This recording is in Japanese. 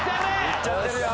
いっちゃってるよ！